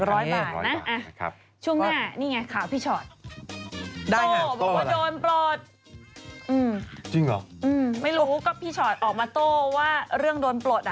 ช่วงหน้านี่ไงข่าวพี่ชอตโต้บอกว่าโดนปลดอืมจริงเหรอไม่รู้ก็พี่ชอตออกมาโต้ว่าเรื่องโดนปลดอ่ะ